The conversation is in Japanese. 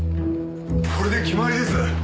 これで決まりです。